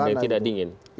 ada yang tidak dingin